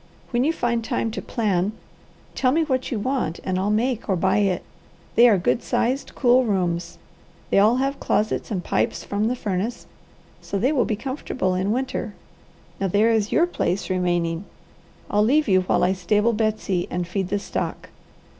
When you find time to plan, tell me what you want, and I'll make or buy it. They are good sized, cool rooms. They all have closets and pipes from the furnace, so they will be comfortable in winter. Now there is your place remaining. I'll leave you while I stable Betsy and feed the stock."